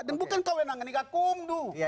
dan bukan kau yang nangani kakum